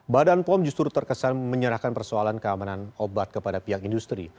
badan pom justru terkesan menyerahkan persoalan keamanan obat kepada pihak industri